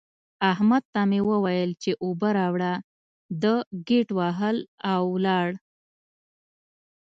احمد ته مې وويل چې اوبه راوړه؛ ده ګيت وهل او ولاړ.